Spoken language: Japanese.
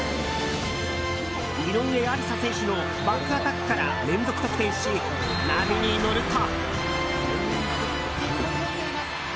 井上愛里沙選手のバックアタックから連続得点し波に乗ると。